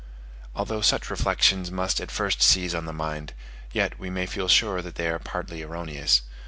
Although such reflections must at first seize on the mind, yet we may feel sure that they are partly erroneous.